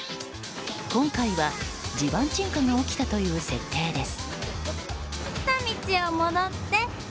今回は地盤沈下が起きたという設定です。